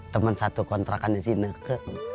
temen satu kontrakannya si nek